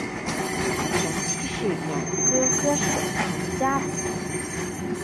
前妻是演歌歌手藤圭子。